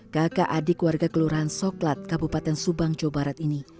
kakak adik warga kelurahan soklat kabupaten subang jawa barat ini